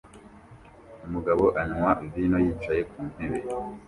Umugabo anywa vino yicaye ku ntebe